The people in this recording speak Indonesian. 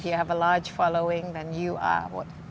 jika anda memiliki pengikiran yang besar